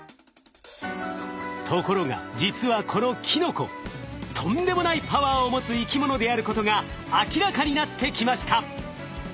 ところが実はこのキノコとんでもないパワーを持つ生き物であることが明らかになってきました。